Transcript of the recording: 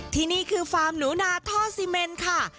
ที่นี่คือฟาร์มหนูนาท่อซีเมนค่ะ